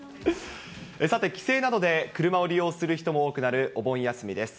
さて、帰省などで車を利用する人も多くなるお盆休みです。